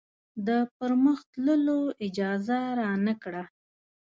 د پرمخ تللو اجازه رانه کړه.